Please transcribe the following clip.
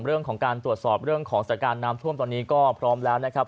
เรื่องของการตรวจสอบเรื่องของสถานการณ์น้ำท่วมตอนนี้ก็พร้อมแล้วนะครับ